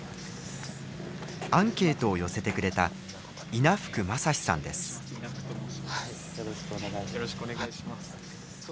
アンケートを寄せてくれたよろしくお願いします。